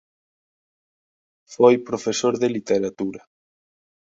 Foi profesor de literatura.